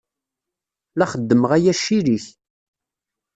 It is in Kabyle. La xeddmeɣ aya ccil-ik.